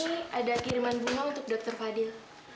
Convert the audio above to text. ini ada kiriman bunga untuk dokter fadil